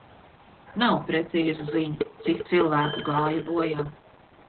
Nav precīzu ziņu, cik cilvēku gāja bojā.